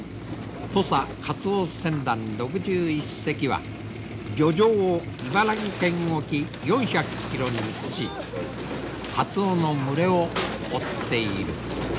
土佐カツオ船団６１隻は漁場を茨城県沖４００キロに移しカツオの群れを追っている。